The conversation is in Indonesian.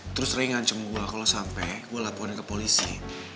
terus sering ngancem gue kalau sampai gue laporin ke polisi